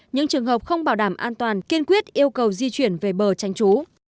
những trường hợp không bảo đảm an toàn kiên quyết yêu cầu di chuyển về bờ tránh trú